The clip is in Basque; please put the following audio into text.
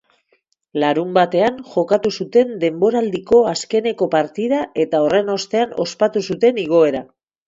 Larunbatean jokatu zuten denboraldiko azkeneko partida eta horren ostean ospatu zuten igoera.